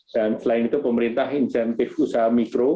dan selain itu pemerintah insentif usaha mikro